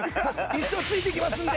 一生ついて行きますんで！